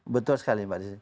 betul sekali pak desy